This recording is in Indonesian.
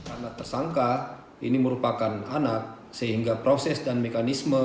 anak tersangka ini merupakan anak sehingga proses dan mekanisme